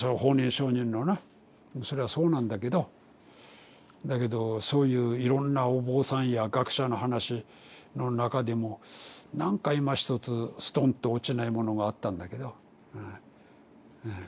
それはそうなんだけどだけどそういういろんなお坊さんや学者の話の中でもなんかいまひとつすとんと落ちないものがあったんだけどうんうん。